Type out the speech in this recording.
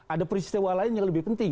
ada peristiwa lain yang lebih penting